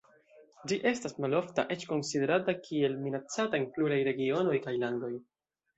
Ĝi estas malofta, eĉ konsiderata kiel minacata en pluraj regionoj kaj landoj.